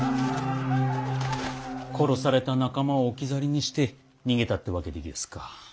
殺された仲間を置き去りにして逃げたってわけでげすか。